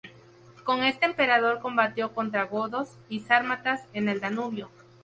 Con este emperador, combatió contra godos y sármatas en el Danubio.